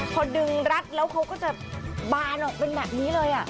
พอดึงรัดแล้วเขาก็จะบานออกเป็นแบบนี้เลย